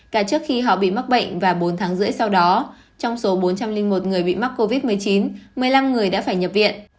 cả trước khi họ bị mắc bệnh và bốn tháng rưỡi sau đó trong số bốn trăm linh một người bị mắc covid một mươi chín một mươi năm người đã phải nhập viện